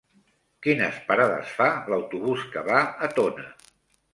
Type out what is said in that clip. Quines parades fa l'autobús que va a Tona?